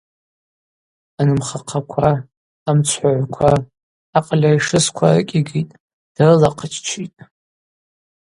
Анымхахъаква, амцхӏвагӏвква, акъыль айшысква арыкӏьигитӏ, дрылахъыччитӏ.